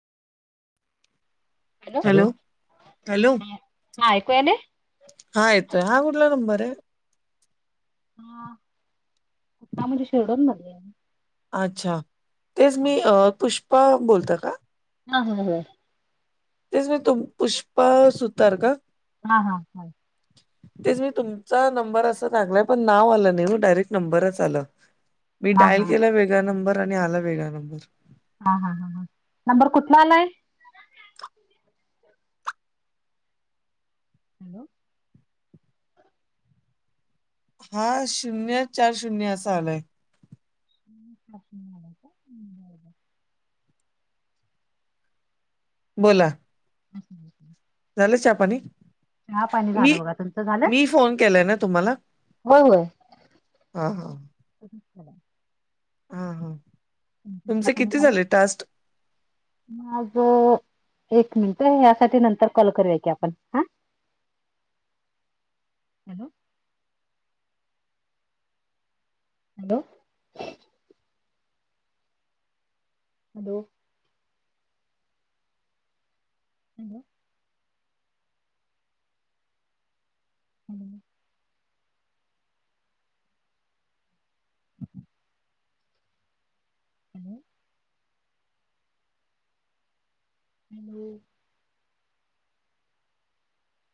Hello hello. हा ऐकूयले हा येतोय हा हा कुठला ला नंबर हाटणा म्हणजे शिरडोन मध्ये आहे अच्छा तेच मी पुष्पा बोलत का ह ह ह तेच म तू पुष्पा सुतार का हा हा हा [inaudible] तेच मी तुमचा नंबर असं लागलाय पण नाव आलं नाही मग डायरेक्ट नंबरच आलं मी हा डायल हा केला वेगळा नंबर आणि आला वेगळा नंबर हा हा हा हां नंबर कुठला आलाय हॅलो हा शून्य चार शून्य असा आलाय ह् प्रश्न बोला हम् ह झालं चहा पाणी म झालं बघा तुमचं झालं? मी फोन केलाय ना तुम्हाला होय होय. हा हा ह हा हा तुमचे आपण किती झाला झाले टास्क माझ एक मिनिट यासाठी नंतर कॉल करूया की आपण हा ह हॅलो हॅलो हॅलो हॅलो ह हम् हम्